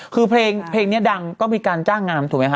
คือเพลงนี้ดังก็มีการจ้างงานถูกไหมคะ